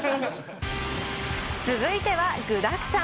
続いては具だくさん！